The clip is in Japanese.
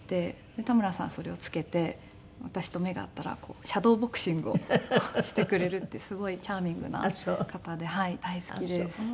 田村さんそれを着けて私と目が合ったらシャドーボクシングをしてくれるっていうすごいチャーミングな方で大好きです。